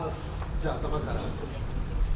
じゃあ頭から。